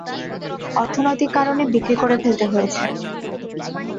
অর্থনৈতিক কারণে বিক্রি করে ফেলতে হয়েছে।